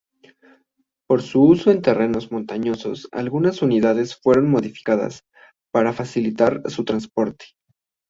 Para su uso en terrenos montañosos algunas unidades fueron modificadas para facilitar su transporte.